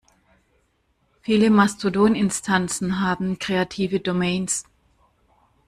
Viele Mastodon-Instanzen haben kreative Domains.